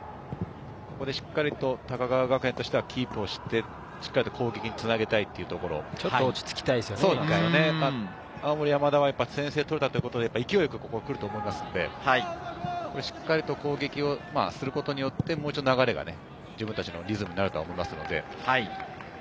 ここでしっかりと高川学園としてはキープをして、しっかりと攻撃につなげたいというとこちょっと落ち着きたいで青森山田は先制を取れたということで、勢いよく来ると思いますので、しっかり攻撃をすることによって、流れが自分達のリズムになると思いますので。